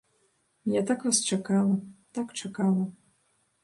Я так вас чакала, так чакала.